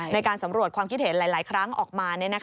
ในการสำรวจความคิดเห็นหลายครั้งออกมา